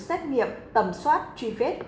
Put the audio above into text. xét nghiệm tầm soát truy vết